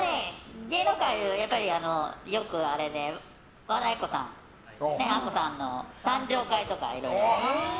芸能界、やっぱりよくあれで和田アキ子さん、アッコさんの誕生会とか、いろいろ。